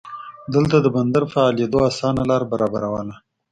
دلته د بندر فعالېدو اسانه لار برابرواله.